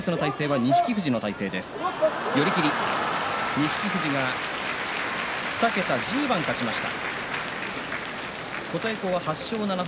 錦富士が２桁１０番勝ちました。